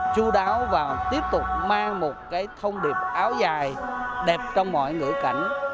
chú đáo và tiếp tục mang một cái thông điệp áo dài đẹp trong mọi ngữ cảnh